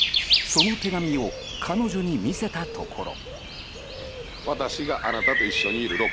その手紙を彼女に見せたところ。